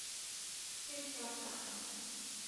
Ttxil-k ruḥ s axxam.